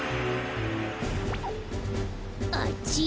あっち？